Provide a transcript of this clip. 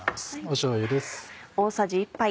しょうゆです。